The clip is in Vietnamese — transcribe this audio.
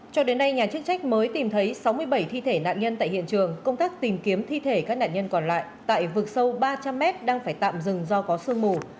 cho đến nay nhà chức trách mới tìm thấy sáu mươi bảy thi thể nạn nhân tại hiện trường công tác tìm kiếm thi thể các nạn nhân còn lại tại vực sâu ba trăm linh m đang phải tạm dừng do có sương mù